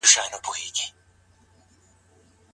الله تعالی مېرمن ته دا ځانګړې تنبيه ټاکلې ده.